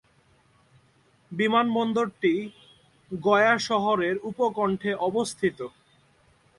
বিমানবন্দরটি গয়া শহরের উপকন্ঠে অবস্থিত।